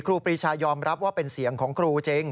ครูปีชายอมรับว่าเป็นเสียงของครูจริง